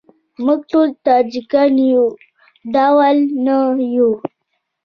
موږ ټول تاجیکان یو ډول نه یوو.